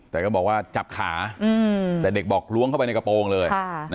แต่ก็บอกว่าจับขาแต่เด็กบอกล้วงเข้าไปในกระโปรงเลย